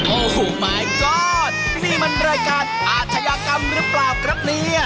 โอ้โหหมายก้อนนี่มันรายการอาชญากรรมหรือเปล่าครับเนี่ย